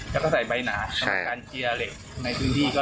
แล้วก็ใส่ใบหนาประการเจียรี่เล็ก